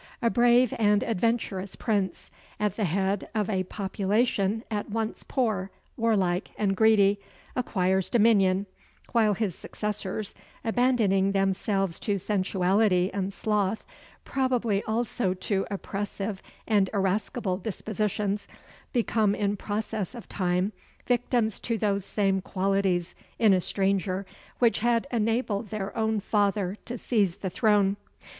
A brave and adventurous prince, at the head of a population at once poor, warlike, and greedy, acquires dominion; while his successors, abandoning themselves to sensuality and sloth, probably also to oppressive and irascible dispositions, become in process of time victims to those same qualities in a stranger which had enabled their own father to seize the throne.